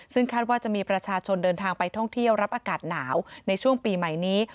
ซึ่งคาดว่าจะมีประชาชนเดินทางไปท่องเที่ยวรับอากาศหนาวในช่วงปีใหม่นี้